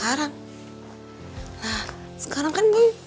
klerini selambung baronove